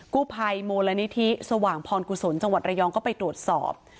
กู้ภัยมูลนิธิสว่างพรกุศลจังหวัดระยองก็ไปตรวจสอบ